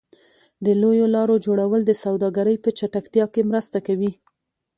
د لویو لارو جوړول د سوداګرۍ په چټکتیا کې مرسته کوي.